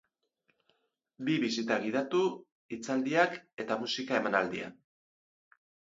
Bi bisita gidatu, hitzaldiak eta musika emanaldia.